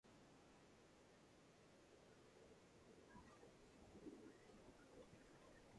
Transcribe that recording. Spurling was elected pastor and Bryant was ordained as a deacon.